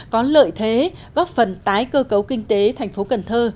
có lợi thế góp phần tái cơ cấu kinh tế tp cần thơ